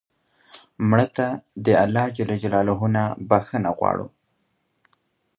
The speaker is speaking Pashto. مړه ته الله ج نه بخښنه غواړو